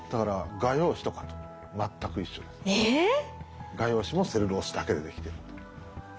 画用紙もセルロースだけでできてるんで。